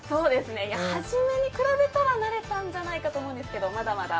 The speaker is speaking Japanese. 初めに比べたら慣れたんじゃないかと思うんですが、まだまだ。